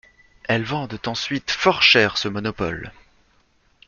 Elles vendent ensuite fort cher ce monopole.